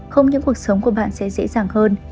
không những cuộc sống của bạn sẽ dễ dàng hơn